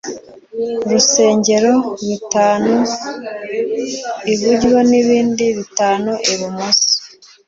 rusengero bitanu iburyo n ibindi bitanu ibumoso